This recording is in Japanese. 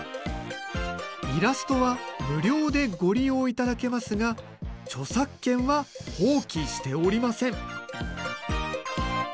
「イラストは無料でご利用いただけますが著作権は放棄しておりません」。